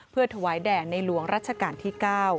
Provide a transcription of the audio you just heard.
เพื่อถวายแด่ในหลวงรัชกาลที่๙